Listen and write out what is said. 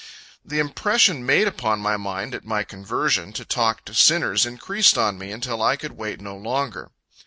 The impression made upon my mind at my conversion, to talk to sinners, increased on me, until I could wait no longer.